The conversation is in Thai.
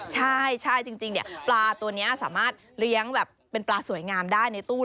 ใช่จริงปลาตัวนี้สามารถเลี้ยงแบบเป็นปลาสวยงามได้ในตู้